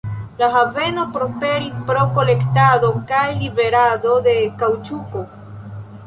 La haveno prosperis pro kolektado kaj liverado de kaŭĉuko.